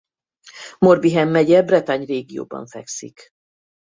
Morbihan megye Bretagne régióban fekszik.